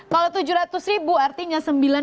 kalau tujuh ratus ribu artinya sembilan enam